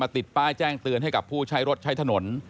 มาติดป้ายแจ้งเริ่มมูลก่อนให้กับผู้ใช้รถใช้ถน